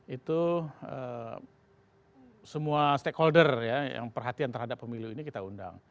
itu semua stakeholder ya yang perhatian terhadap pemilu ini kita undang